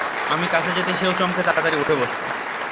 আমি কাছে যেতেই সেও চমকে তাড়াতাড়ি উঠে বসল।